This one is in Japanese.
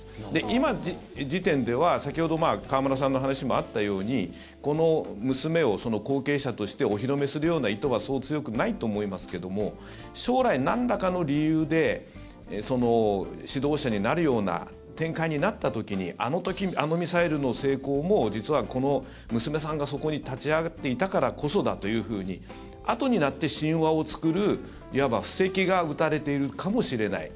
今の時点では、先ほど河村さんの話もあったようにこの娘を後継者としてお披露目するような意図はそう強くないと思いますけども将来、なんらかの理由で指導者になるような展開になった時にあの時、あのミサイルの成功も実はこの娘さんがそこに立ち会っていたからこそだというふうにあとになって神話を作るいわば、布石が打たれているかもしれない。